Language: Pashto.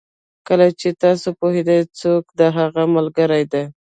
کله چې تاسو پوهېږئ څوک د هغه ملګري دي.